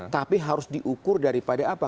tapi harus diukur daripada apa